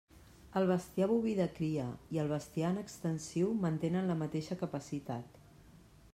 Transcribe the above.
El bestiar boví de cria i el bestiar en extensiu mantenen la mateixa capacitat.